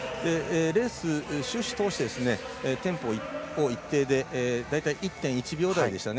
レース、終始、通してテンポを一定で大体１．１秒台でしたね。